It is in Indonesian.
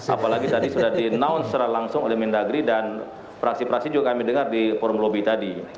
apalagi tadi sudah di announce secara langsung oleh mendagri dan praksi praksi juga kami dengar di forum lobby tadi